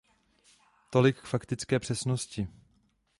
Tolik k faktické přesnosti.